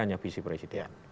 tidak ada visi presiden